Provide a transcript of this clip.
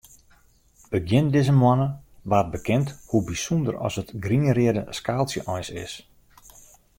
Begjin dizze moanne waard bekend hoe bysûnder as it grien-reade skaaltsje eins is.